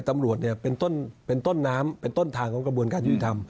ตำรวจเนี่ยเป็นต้นน้ำเป็นต้นทางของกระบวนการยุติธรรม